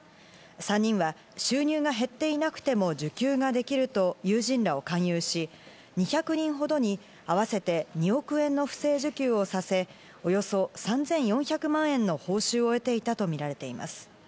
３人は収入が減っていなくても受給ができると友人らを勧誘し、２００人ほどに、合わせて２億円の不正受給をさせ、およそ３４００万円の報酬を得ていたとみられています。